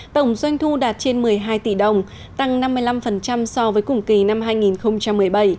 tổng doanh thu đạt trên một mươi hai tỷ đồng tăng năm mươi năm so với cùng kỳ năm hai nghìn một mươi bảy